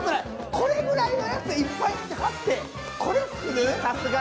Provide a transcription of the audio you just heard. これぐらいのやついっぱい貼ってこれ作る？